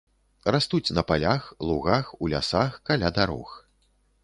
Растуць на палях, лугах, у лясах, каля дарог.